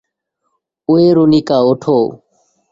Veronica, ওঠো।